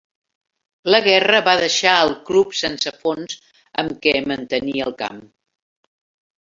La guerra va deixar el club sense fons amb què mantenir el camp.